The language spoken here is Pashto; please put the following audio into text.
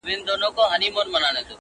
چي ته بېلېږې له مست سوره څخه